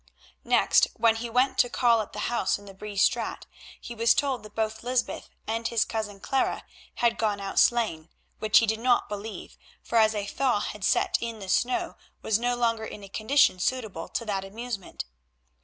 Next when he went to call at the house in the Bree Straat he was told that both Lysbeth and his cousin Clara had gone out sleighing, which he did not believe, for as a thaw had set in the snow was no longer in a condition suitable to that amusement.